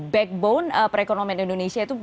backbone perekonomian indonesia itu